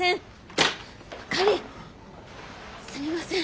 すみません。